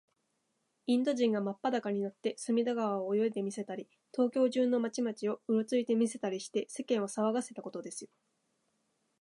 インド人がまっぱだかになって、隅田川を泳いでみせたり、東京中の町々を、うろついてみせたりして、世間をさわがせたことですよ。